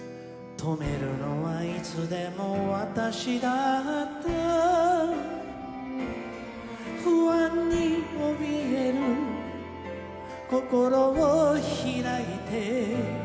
「止めるのはいつでも私だった」「不安に怯える心を開いて」